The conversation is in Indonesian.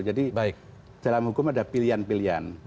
jadi dalam hukum ada pilihan pilihan